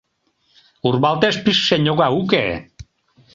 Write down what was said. Урвалтеш пижше ньога уке.